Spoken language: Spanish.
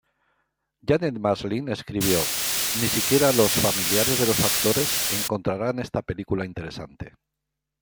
Janet Maslin escribió: "Ni siquiera los familiares de los actores encontrarán esta película interesante".